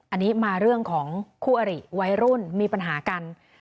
อันนี้มาเรื่องของคู่อริวัยรุ่นมีปัญหากัน